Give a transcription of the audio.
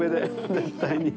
絶対に。